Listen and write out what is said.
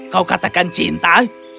kau katakan cinta